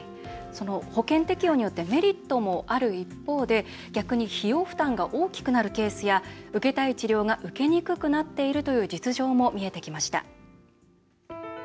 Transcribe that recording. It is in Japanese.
保険適用によってメリットもある一方で逆に費用負担が大きくなるケースや受けたい治療が受けにくくなっているという実情も見えてきました。